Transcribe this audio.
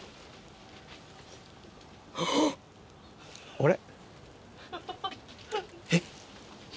あれ？